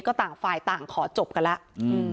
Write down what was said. ก็ต่างฝ่ายต่างขอจบกันแล้ว